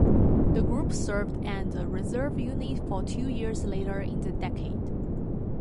The group served as a reserve unit for two years later in the decade.